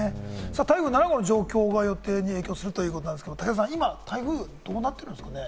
台風７号の状況が予定に影響するということですけれども、今どうなってるんですかね？